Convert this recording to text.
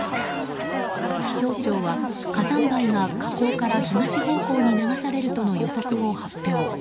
気象庁は火山灰が火口から東方向に流されるとの予測を発表。